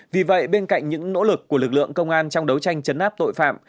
vì vậy bên cạnh những nỗ lực của lực lượng công an trong đấu tranh chấn áp tội phạm